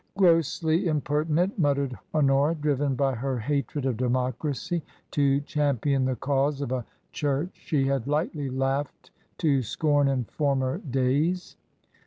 "Grossly impertinent!" muttered Honora, driven by her hatred of democracy to champion the cause of a church she had lightly laughed to scorn in former days.